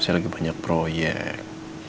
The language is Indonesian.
saya lagi banyak proyek